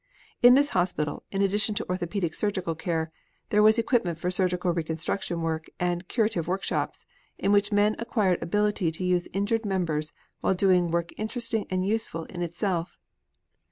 In this hospital, in addition to orthopedic surgical care, there was equipment for surgical reconstruction work and "curative workshops" in which men acquired ability to use injured members while doing work interesting and useful in itself.